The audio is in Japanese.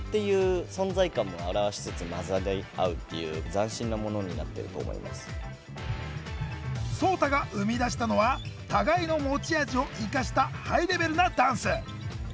ドンとかバンっていうＳｏｔａが生み出したのは互いの持ち味を生かしたハイレベルなダンス。